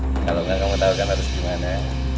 kalau gak kamu tau kan harus gimana